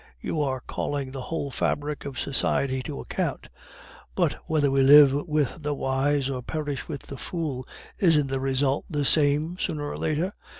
You are calling the whole fabric of society to account. But whether we live with the wise or perish with the fool, isn't the result the same sooner or later?